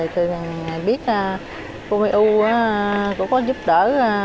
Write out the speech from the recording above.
thì tôi biết cô my u cũng có giúp đỡ